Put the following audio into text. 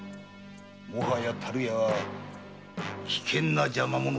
もはや樽屋は危険な邪魔者でしょうな。